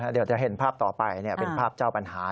เดี๋ยวจะเห็นภาพต่อไปเป็นภาพเจ้าปัญหา